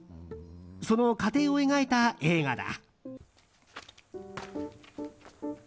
その過程を描いた映画だ。